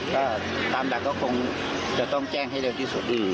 ก็ตามหลักก็คงจะต้องแจ้งให้เร็วที่สุด